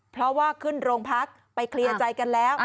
เพราะว่าขึ้นโรงพักไปเคลียร์ใจกันแล้ว